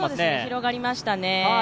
広がりましたね。